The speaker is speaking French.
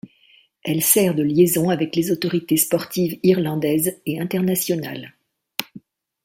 Elle sert de liaison avec les autorités sportives irlandaises et internationales.